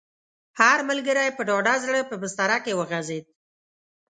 هر ملګری په ډاډه زړه په بستره کې وغځېد.